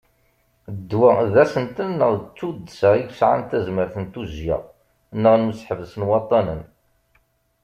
Ddwa d asentel neɣ d tuddsa i yesɛan tazmert n tujya neɣ n useḥbes n waṭṭanen.